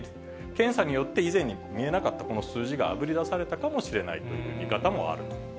検査によって、以前に見えなかったこの数字があぶり出されたかもしれないという見方もある。